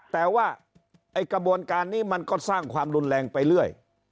แต่ว่ากระบวนการนี้มันก็สร้างความรุนแรงไปเรื่อย